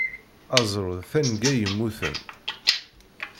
Aẓru d tanga yemmuten.